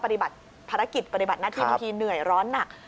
ปฏิบัติภารกิจปฏิบัติหน้าที่บางทีเหนื่อยร้อนหนัก